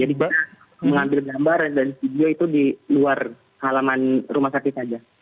jadi kita mengambil gambar dan video itu di luar halaman rumah sakit saja